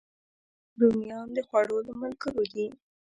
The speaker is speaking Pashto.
رومیان د خوړو له ملګرو دي